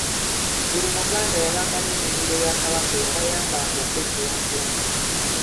Buli Muganda yabanga n’ennimiro ya Kabaka eyabayabanga okwekulaakulanya.